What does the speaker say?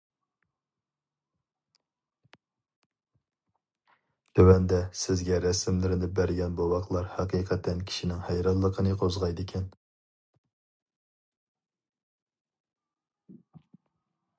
تۆۋەندە سىزگە رەسىملىرىنى بەرگەن بوۋاقلار ھەقىقەتەن كىشىنىڭ ھەيرانلىقىنى قوزغايدىكەن.